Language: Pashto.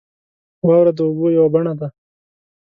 • واوره د اوبو یوه بڼه ده.